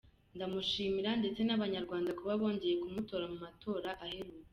Ndamushimira ndetse n’Abanyarwanda kuba bongeye kumutora mu matora aheruka.”